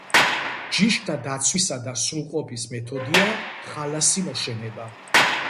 ჯიშთა დაცვისა და სრულყოფის მეთოდია ხალასი მოშენება.